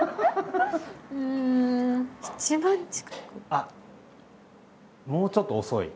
あもうちょっと遅い。